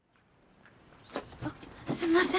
あっすんません。